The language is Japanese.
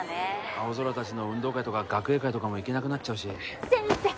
青空達の運動会とか学芸会とかも行けなくなっちゃうし先生